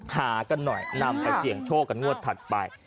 หากันหน่อยนำไปเสี่ยงโชคกันงวดถัดไป